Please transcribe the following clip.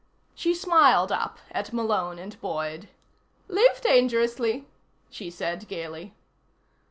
She smiled up at Malone and Boyd. "Live dangerously," she said gaily.